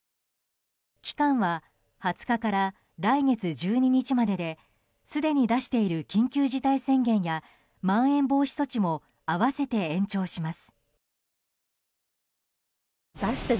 期間は２０日から来月１２日までですでに出している緊急事態宣言やまん延防止措置も併せて延長します。